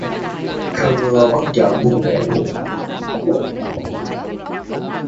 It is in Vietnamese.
Cơn mưa bất chợt buông rèm